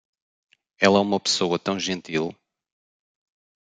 Ela é uma pessoa tão gentil.